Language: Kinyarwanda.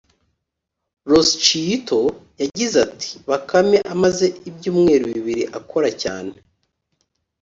Losciuto yagize ati “ Bakame amaze ibyumweru bibiri akora cyane